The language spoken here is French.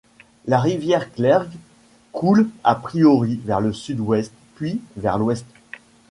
La rivière Clergue coule à priori vers le sud-ouest, puis vers l'ouest.